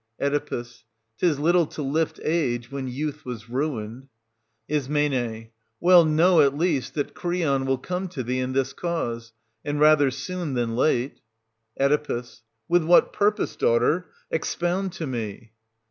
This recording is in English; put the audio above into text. Oe. Tis little to lift age, when youth was ruined. Is. Well, know, at least, that Creon will come to thee in this cause — and rather soon than late. Oe. With what purpose, daughter.? expound to me.